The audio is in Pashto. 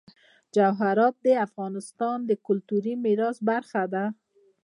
جواهرات د افغانستان د کلتوري میراث برخه ده.